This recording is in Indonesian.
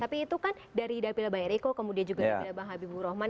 tapi itu kan dari dapil bang eriko kemudian juga ada bang habibur rahman